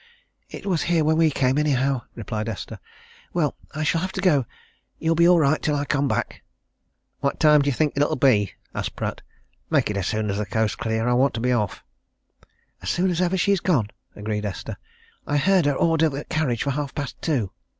"It was here when we came, anyhow," replied Esther. "Well I shall have to go. You'll be all right until I come back." "What time do you think it'll be?" asked Pratt. "Make it as soon as the coast's clear I want to be off." "As soon as ever she's gone," agreed Esther. "I heard her order the carriage for half past two."